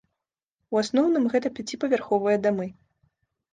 У асноўным гэта пяціпавярховыя дамы.